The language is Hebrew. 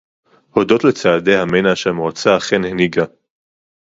הודות לצעדי המנע שהמועצה אכן הנהיגה